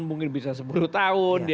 mungkin bisa sepuluh tahun